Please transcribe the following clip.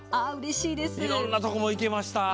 いろんなところに行けました。